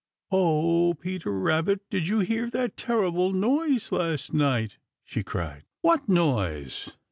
"Oh, Peter Rabbit, did you hear that terrible noise last night?" she cried. "What noise?"